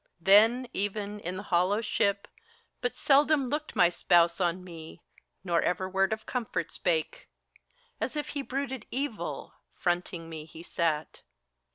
Then, even, in the hollow ship, but seldom looked My spouse on me, nor ever word of comfort spake : As if he brooded evil, fronting me he sat.